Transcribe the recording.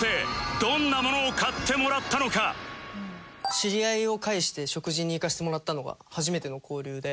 知り合いを介して食事に行かせてもらったのが初めての交流で。